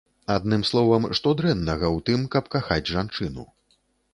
Адным словам, што дрэннага ў тым, каб кахаць жанчыну?